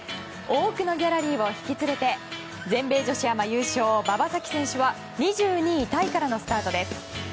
多くのギャラリーを引き付けて全米女子アマ優勝馬場咲希選手は２２位タイからのスタートです。